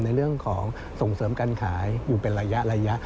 ในเรื่องของส่งเสริมการขายอยู่เป็นระยะ